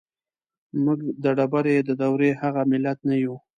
موږ د ډبرې د دورې هغه ملت نه يو.